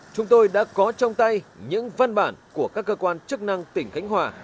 chúng tôi đã có trong tay những văn bản của các cơ quan chức năng tỉnh khánh hòa